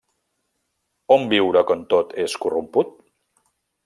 On viure quan tot és corromput?